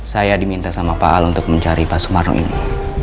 saya diminta sama pak al untuk mencari pak sumarno ini